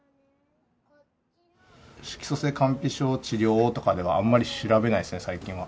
色素性乾皮症、治療とかではあんまり調べないですね、最近は。